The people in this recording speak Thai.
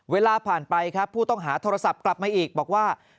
เวลาผ่านไปครับผู้ต้องหาโทรศัพท์กลับมาอีกบอกว่า